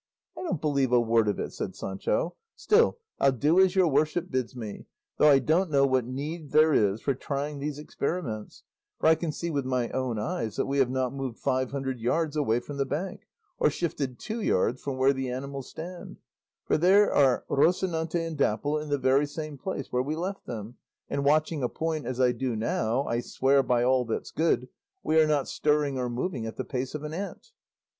"I don't believe a bit of it," said Sancho; "still, I'll do as your worship bids me; though I don't know what need there is for trying these experiments, for I can see with my own eyes that we have not moved five yards away from the bank, or shifted two yards from where the animals stand, for there are Rocinante and Dapple in the very same place where we left them; and watching a point, as I do now, I swear by all that's good, we are not stirring or moving at the pace of an ant."